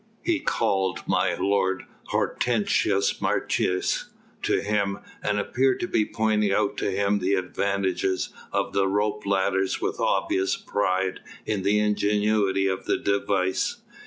He called my lord Hortensius Martius to him and appeared to be pointing out to him the advantages of the rope ladders with obvious pride in the ingenuity of the device.